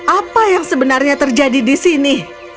apa yang sebenarnya terjadi di sini